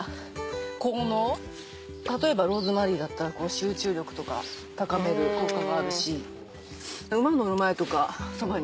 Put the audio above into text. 例えばローズマリーだったら集中力とか高める効果があるし。